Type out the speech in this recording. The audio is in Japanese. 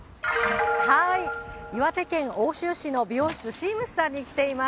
岩手県奥州市の美容室、シームスさんに来ています。